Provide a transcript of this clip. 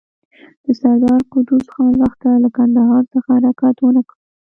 د سردار قدوس خان لښکر له کندهار څخه حرکت ونه کړ.